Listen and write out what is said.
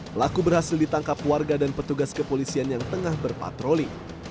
pelaku berhasil ditangkap warga dan petugas kepolisian yang tengah berpatroli